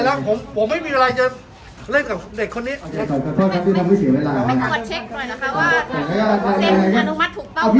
แล้วก็ขอร้องนะเรื่องปิดสถาบันนะบางภาษา